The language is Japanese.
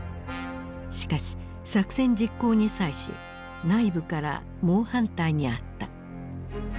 しかし作戦実行に際し内部から猛反対にあった。